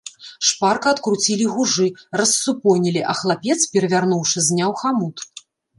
Шпарка адкруцілі гужы, рассупонілі, а хлапец, перавярнуўшы, зняў хамут.